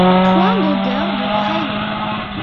Point d'odeur de graillon.